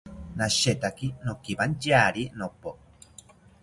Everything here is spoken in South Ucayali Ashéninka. Nashetaki nokiwantyari nopo